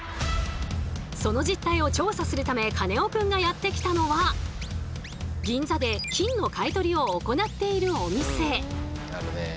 その実態を調査するためカネオくんがやって来たのは銀座で金の買い取りを行っているお店。